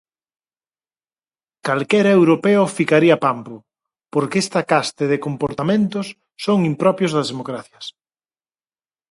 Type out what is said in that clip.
Calquera europeo ficaría pampo, porque esta caste de comportamentos son impropios das democracias.